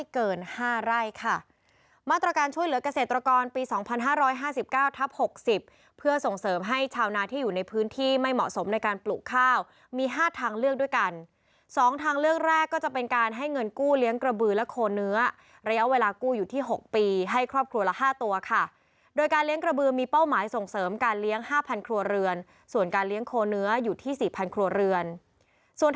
เกษตรกรรมนาที่อยู่ในพื้นที่ไม่เหมาะสมในการปลูกข้าวมีห้าทางเลือกด้วยกันสองทางเลือกแรกก็จะเป็นการให้เงินกู้เลี้ยงกระบือและโคเนื้อระยะเวลากู้อยู่ที่หกปีให้ครอบครัวละห้าตัวค่ะโดยการเลี้ยงกระบือมีเป้าหมายส่งเสริมการเลี้ยงห้าพันครัวเรือนส่วนการเลี้ยงโคเนื้ออยู่ที่สี่พันครัวเรือนส่วนท